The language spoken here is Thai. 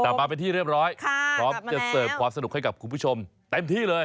แต่มาเป็นที่เรียบร้อยพร้อมจะเสิร์ฟความสนุกให้กับคุณผู้ชมเต็มที่เลย